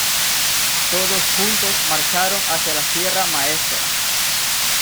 Todos juntos marcharon hacia la Sierra Maestra.